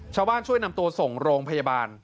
ชาวบ้านช่วยนำตัวส่งโรงพยาบาล